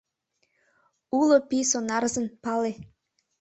Уло пий сонарзын, пале.